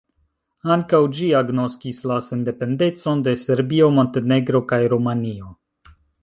Ankaŭ ĝi agnoskis la sendependecon de Serbio, Montenegro kaj Rumanio.